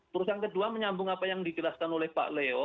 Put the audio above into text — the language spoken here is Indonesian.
terus yang kedua menyambung apa yang dijelaskan oleh pak leo